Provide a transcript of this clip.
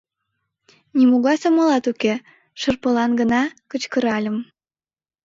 Нимогай сомылат уке, шырпылан гына кычкыральым.